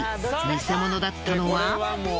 偽物だったのは。